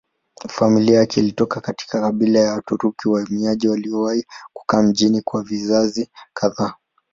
Familia yake ilitoka katika kabila ya Waturuki wahamiaji waliowahi kukaa mjini kwa vizazi kadhaa.